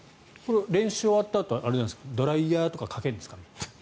練習終わったあとはドライヤーとかかけるんですか。